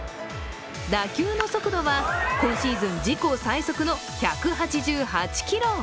打球の速度は今シーズン自己最速の１８８キロ。